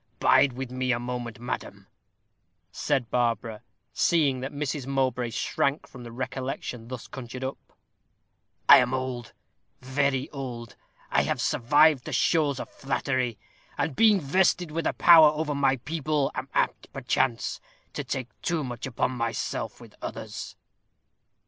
Bide with me a moment, madam," said Barbara, seeing that Mrs. Mowbray shrank from the recollection thus conjured up; "I am old very old; I have survived the shows of flattery, and being vested with a power over my people, am apt, perchance, to take too much upon myself with others."